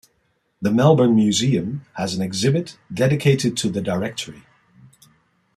The Melbourne Museum has an exhibit dedicated to the directory.